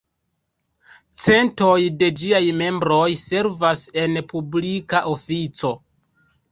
Centoj de ĝiaj membroj servas en publika ofico.